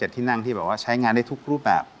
๗ที่นั่งที่ใช้งานให้ทุกรูปแบบ